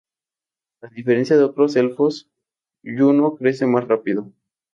A diferencia de otros elfos, Yu-No crece más rápido.